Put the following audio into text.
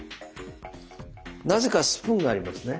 なぜかスプーンがありますね。